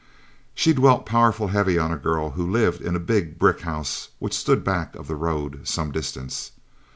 She dwelt powerful heavy on a girl who lived in a big brick house which stood back of the road some distance.